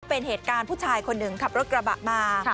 เป็นเหตุการณ์ผู้ชายคนหนึ่งขับรถกระบะมา